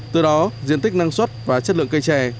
từ đó diện tích năng suất và chất lượng cây chè